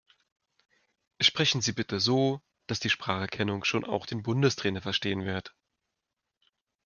Sprechen Sie bitte so, dass die Spracherkennung schon auch den Bundestrainer verstehen wird.